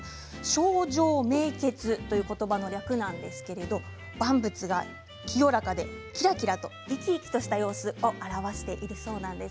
清浄明潔という言葉の略なんですけれども万物が清らかでキラキラと生き生きとした様子を表しているそうです。